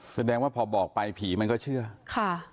แสดงว่าพอบอกไปผีมันก็เชื่อค่ะ